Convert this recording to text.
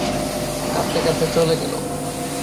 কাঁদতে কাঁদতে চলে গেল।